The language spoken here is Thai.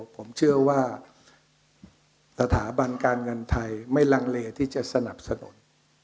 ผมเชื่อว่าสถาบันการเงินไทยไม่ลังเลที่จะสนับสนุน